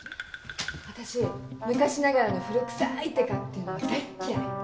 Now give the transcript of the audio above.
私昔ながらの古くさいデカっていうのは大っ嫌い！